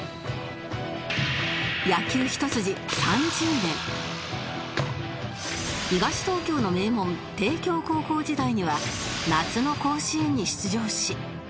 今東東京の名門帝京高校時代には夏の甲子園に出場し